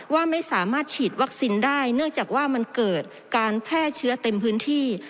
ว่าไม่สามารถฉีดวัคซีนได้เนื่องจากว่ามันเกิดการแพร่เชื้อเต็มพื้นที่